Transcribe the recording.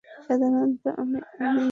সাধারণত, আমি আমিই।